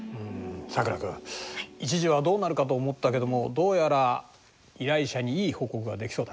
さくら君一時はどうなるかと思ったけどもどうやら依頼者にいい報告ができそうだな。